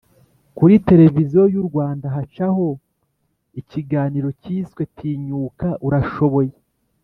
Kuri televiziyo y ‘urwanda hacaho ikiganiro cyiswe tinyuka ura sho boye